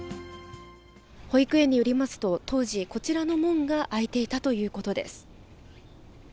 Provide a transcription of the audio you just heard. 保育園によりますと、当時、こちらの門が開いていたということです。